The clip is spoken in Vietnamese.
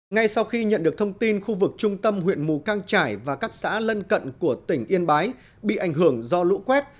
ngay sau khi nhận được thông tin khu vực trung tâm huyện mù căng trải và các xã lân cận của tỉnh yên bái bị ảnh hưởng do lũ quét